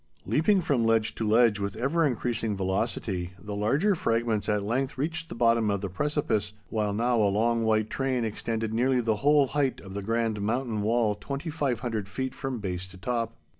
Leaping from ledge to ledge with ever increasing velocity, the larger fragments at length reached the bottom of the precipice, while now a long white train extended nearly the whole height of the grand mountain wall 2500 feet from base to top.